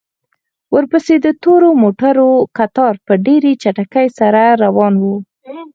ورپسې د تورو موټرو کتار په ډېرې چټکۍ سره روان و.